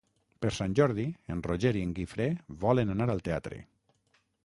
Per Sant Jordi en Roger i en Guifré volen anar al teatre.